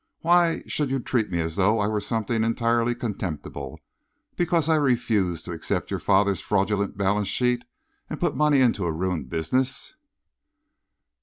Why should you treat me as though I were something entirely contemptible, because I refused to accept your father's fraudulent balance sheet and put money into a ruined business?"